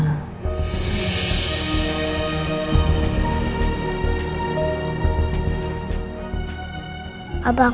apakah aku cuma bapak ma